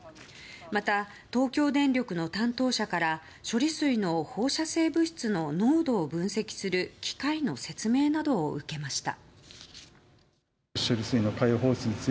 また、東京電力の担当者から処理水の放射性物質の濃度を分析する機械の説明などを受けました。